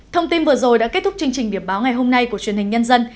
thông tin vừa rồi đã kết thúc chương trình điểm báo ngày hôm nay của truyền hình nhân dân